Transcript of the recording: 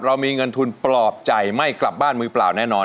เรามีเงินทุนปลอบใจไม่กลับบ้านมือเปล่าแน่นอน